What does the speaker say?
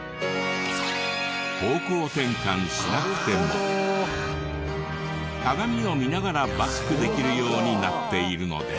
方向転換しなくても鏡を見ながらバックできるようになっているのです。